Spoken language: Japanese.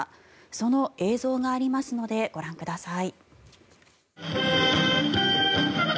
その映像がありますのでご覧ください。